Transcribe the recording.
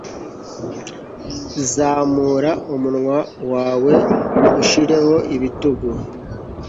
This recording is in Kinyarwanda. zamura umunwa wawe ushireho ibitugu